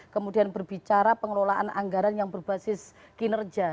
kemudian berbicara pengelolaan anggaran yang berbasis kinerja